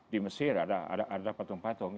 di mesir ada patung patung